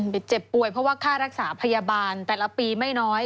เจ็บป่วยเพราะว่าค่ารักษาพยาบาลแต่ละปีไม่น้อย